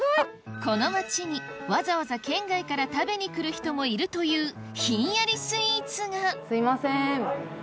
この町にわざわざ県外から食べに来る人もいるというひんやりスイーツがすいません。